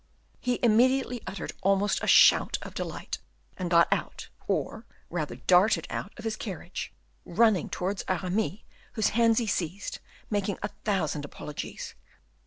He immediately uttered almost a shout of delight, and got out, or rather darted out of his carriage, running towards Aramis, whose hands he seized, making a thousand apologies.